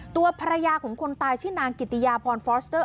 ตัวภรรยาของคนตายชื่อนางกิติยาพรฟอสเตอร์